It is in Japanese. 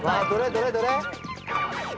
どれ？どれ？」